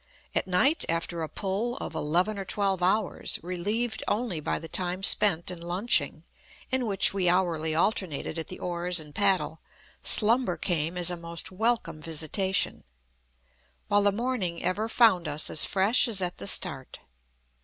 At night, after a pull of eleven or twelve hours, relieved only by the time spent in lunching, in which we hourly alternated at the oars and paddle, slumber came as a most welcome visitation, while the morning ever found us as fresh as at the start.